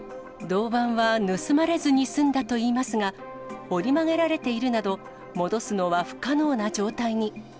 銅板は盗まれずに済んだといいますが、折り曲げられているなど、戻すのは不可能な状態に。